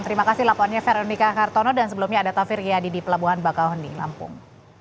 terima kasih lapuannya veronica kartono dan sebelumnya ada taufir giyadi di pelabuhan bakauhondi lampung